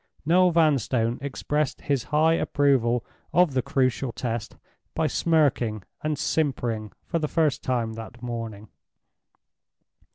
Noel Vanstone expressed his high approval of the Crucial Test by smirking and simpering for the first time that morning.